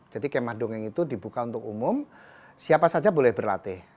jadi kemah dongeng itu dibuka untuk umum siapa saja boleh berlatih